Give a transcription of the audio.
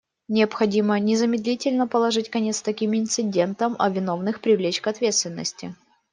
Необходимо незамедлительно положить конец таким инцидентам, а виновных привлечь к ответственности.